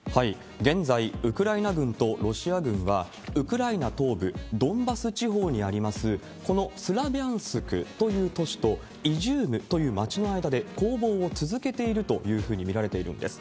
現在、ウクライナ軍とロシア軍は、ウクライナ東部ドンバス地方にあります、このスラビャンスクという都市と、イジュームという町の間で攻防を続けているというふうに見られているんです。